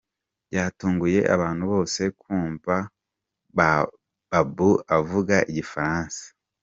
Byatunguye abantu bose kumva Babou avuga Igifaransa.